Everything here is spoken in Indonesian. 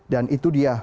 dan itu dia